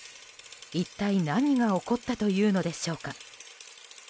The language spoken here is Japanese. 一体、何が起こったというのでしょうか。